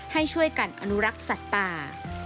ให้ช่วยกันอนุรักษ์สัตว์ป่า